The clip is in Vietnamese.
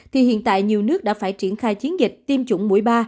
thì hiện tại nhiều nước đã phải triển khai chiến dịch tiêm chủng mũi ba